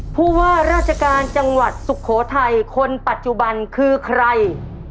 ผู้ว่าราชการจังหวัดสุโขทัยคนปัจจุบันคือใคร